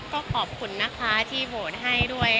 ก็ขอบคุณนะคะที่โหวตให้ด้วย